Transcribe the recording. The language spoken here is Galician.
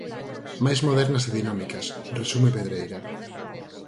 "Máis modernas e dinámicas", resume Pedreira.